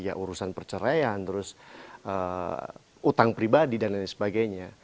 ya urusan perceraian terus utang pribadi dan lain sebagainya